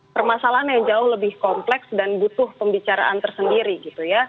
permasalahan yang jauh lebih kompleks dan butuh pembicaraan tersendiri gitu ya